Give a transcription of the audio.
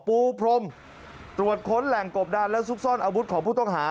ปูพรมตรวจค้นแหล่งกบดานและซุกซ่อนอาวุธของผู้ต้องหา